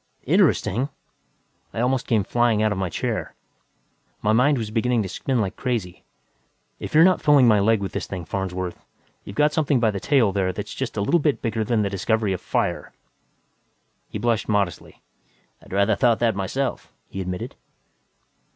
"Interesting?" I almost came flying out of my chair. My mind was beginning to spin like crazy. "If you're not pulling my leg with this thing, Farnsworth, you've got something by the tail there that's just a little bit bigger than the discovery of fire." He blushed modestly. "I'd rather thought that myself," he admitted.